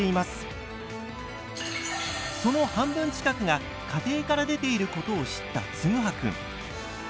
その半分近くが家庭から出ていることを知ったつぐはくん。